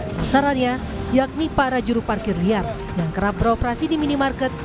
sasarannya yakni para juru parkir liar yang kerap beroperasi di minimarket